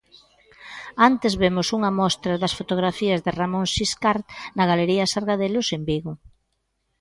Antes vemos unha mostra das fotografías de Ramón Siscart na Galería Sargadelos, en Vigo.